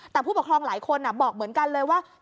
แต่ผู้ปกครองหลายคนบอกเหมือนกันเลยว่า